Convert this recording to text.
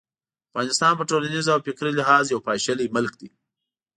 افغانستان په ټولنیز او فکري لحاظ یو پاشلی ملک دی.